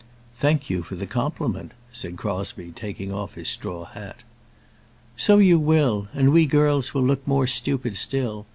"Thank you for the compliment," said Crosbie, taking off his straw hat. "So you will; and we girls will look more stupid still.